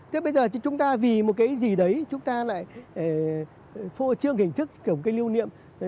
thế bây giờ chúng ta vì một cái gì đấy chúng ta lại phô trương hình thức kiểu cây lưu niệm